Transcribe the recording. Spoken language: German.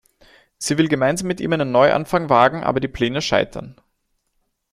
Sie will gemeinsam mit ihm einen Neuanfang wagen, aber die Pläne scheitern.